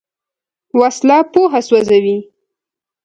وسله پوهه سوځوي